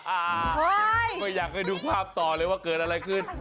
อ่าไม่อยากให้ดูภาพต่อเลยว่าเกิดอะไรขึ้น